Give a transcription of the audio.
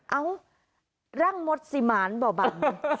เอ้าร่างมดสิหมานบ่อบัง